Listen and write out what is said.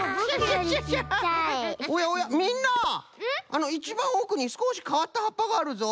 あのいちばんおくにすこしかわったはっぱがあるぞ。